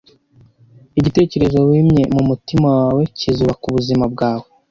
igitekerezo wimye mumutima wawe kizubaka ubuzima bwawe